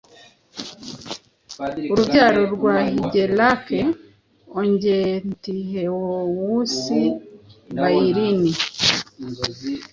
Urubyaro rwa Higelac Ongentheows bairn